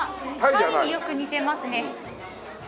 タイによく似てますね。